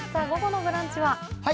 午後の「ブランチ」は？